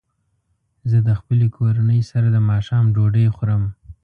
زه د خپلې کورنۍ سره د ماښام ډوډۍ خورم.